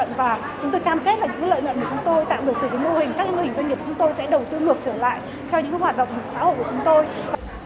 các cái mô hình doanh nghiệp của chúng tôi sẽ đầu tư ngược trở lại cho những cái hoạt động xã hội của chúng tôi